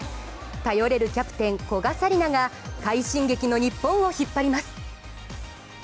頼れるキャプテン・古賀紗理那が快進撃の日本を引っ張ります。